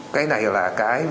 cái này là cái